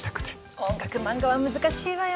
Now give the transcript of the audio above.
音楽漫画は難しいわよ。